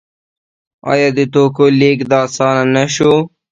آیا د توکو لیږد اسانه نشو؟